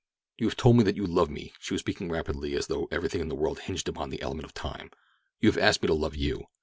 "You have told me that you love me." She was speaking rapidly, as though everything in the world hinged upon the element of time. "You have asked me to love you.